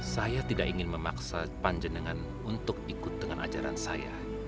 saya tidak ingin memaksa panjenengan untuk ikut dengan ajaran saya